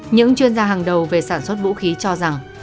những chuyên gia hàng đầu về sản xuất vũ khí cho rằng